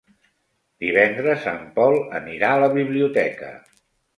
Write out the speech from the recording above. Divendres en Pol anirà a la biblioteca.